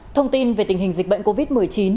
thông tin về tình hình dịch bệnh covid một mươi chín